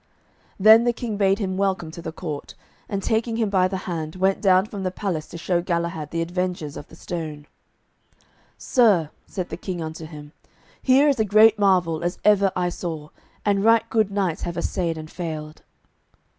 Then the King bade him welcome to the court, and taking him by the hand, went down from the palace to show Galahad the adventures of the stone. "Sir" said the King unto him, "here is a great marvel as ever I saw, and right good knights have assayed and failed."